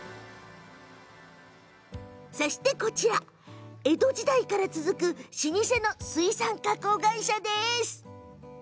こちらは江戸時代から続く老舗の水産加工会社です。